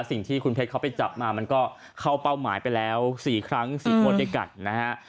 สิ่งที่คุณเพชรเขาไปจับมามันก็เข้าเป้าหมายไปแล้ว๔ครั้ง๔งวดด้วยกันนะฮะ